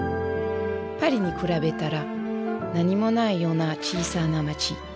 パリに比べたら何もないような小さな町。